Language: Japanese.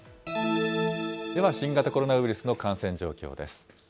では新型コロナウイルスの感染状況です。